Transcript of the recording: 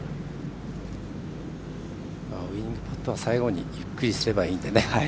ウイニングパットは最後にゆっくりすればいいのでね。